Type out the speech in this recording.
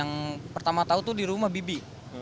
yang pertama tahu itu di rumah bibi